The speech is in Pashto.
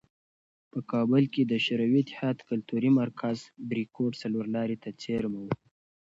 په کابل کې د شوروي اتحاد کلتوري مرکز "بریکوټ" څلورلارې ته څېرمه و.